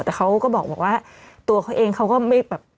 แต่เขาก็บอกว่าตัวเขาเองเขาก็ไม่แบบ